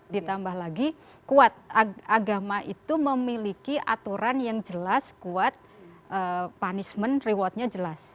ditambah lagi kuat agama itu memiliki aturan yang jelas kuat punishment rewardnya jelas